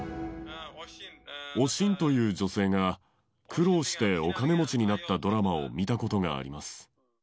おしんという女性が、苦労してお金持ちになったドラマを見たことがあります。